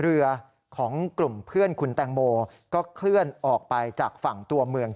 เรือของกลุ่มเพื่อนคุณแตงโมก็เคลื่อนออกไปจากฝั่งตัวเมือง